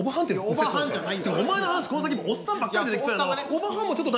お前の話この先もうおっさんばっかり出てきそうやもん。